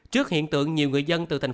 trước hiện tượng nhiều người dân đã bị bệnh